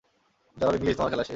জনাব ইংলিশ, তোমার খেলা শেষ!